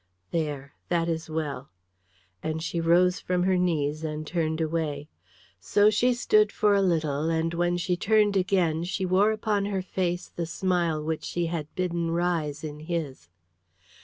There, that is well," and she rose from her knees and turned away. So she stood for a little, and when she turned again she wore upon her face the smile which she had bidden rise in his.